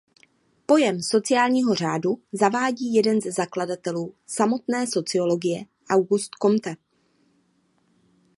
Pojem sociálního řádu zavádí jeden ze zakladatelů samotné sociologie Auguste Comte.